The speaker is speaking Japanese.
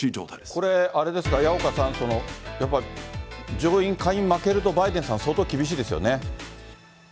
これ、あれですか、矢岡さん、やっぱり上院、下院負けるとバイデンさん、相当厳しいですよね。